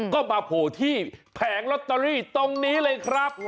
ก็มาโผล่ที่แผงลอตเตอรี่ตรงนี้เลยครับ